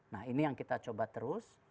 nah ini yang kita coba terus